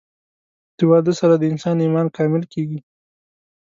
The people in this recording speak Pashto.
د واده سره د انسان ايمان کامل کيږي